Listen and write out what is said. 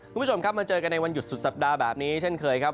คุณผู้ชมครับมาเจอกันในวันหยุดสุดสัปดาห์แบบนี้เช่นเคยครับ